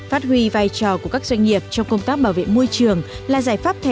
phát huy vai trò của các doanh nghiệp trong công tác bảo vệ môi trường là giải pháp thể